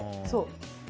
そう。